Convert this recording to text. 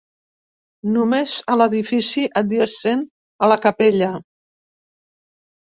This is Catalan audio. Només a l'edifici adjacent a la capella.